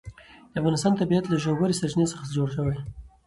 د افغانستان طبیعت له ژورې سرچینې څخه جوړ شوی دی.